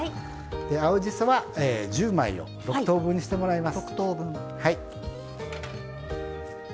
青じそは１０枚を６等分にしてもらいます。